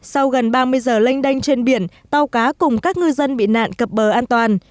sau gần ba mươi giờ lênh đanh trên biển tàu cá cùng các ngư dân bị nạn cập bờ an toàn